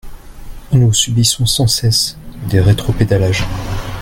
Nous subissons sans cesse des rétropédalages.